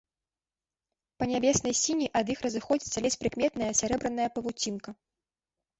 Па нябеснай сіні ад іх разыходзіцца ледзь прыкметная сярэбраная павуцінка.